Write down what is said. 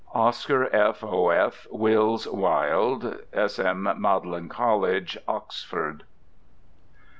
Oscar F. O'F. Wills Wilde. S. M. Magdalen College, _Oxford.